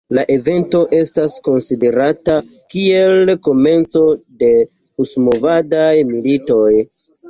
La evento estas konsiderata kiel komenco de husmovadaj militoj.